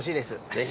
ぜひ。